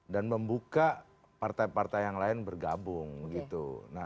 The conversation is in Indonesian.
dan membuka partai partai yang lain bergabung gitu